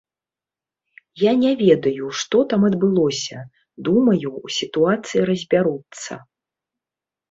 Я не ведаю, што там адбылося, думаю, у сітуацыі разбяруцца.